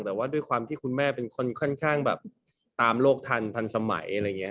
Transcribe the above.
แต่ว่าด้วยความที่คุณแม่เป็นคนค่อนข้างแบบตามโลกทันทันสมัยอะไรอย่างนี้